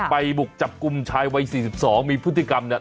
ไปบุกจับกุมชายวัยสี่สิบสองมีพฤติกรรมเนี้ย